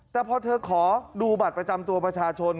แต่พอเธอขอดูบัตรประจำตัวประชาชน